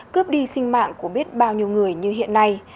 cướp đi sinh mạng của biết bao nhiêu người như hiện nay